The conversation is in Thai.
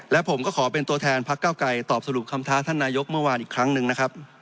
และผมก็ขอเป็นตัวแทนพักเก้าไกรตอบสรุปคำท้าท่านนายกเมื่อวานอีกครั้งหนึ่งนะครับ